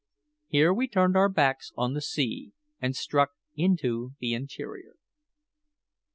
Here we turned our backs on the sea and struck into the interior.